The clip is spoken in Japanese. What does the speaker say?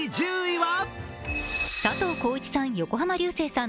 佐藤浩市さん、横浜流星さん